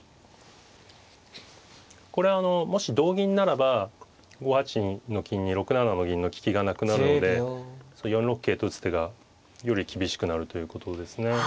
これあのもし同銀ならば５八の金に６七の銀の利きがなくなるので４六桂と打つ手がより厳しくなるということですね。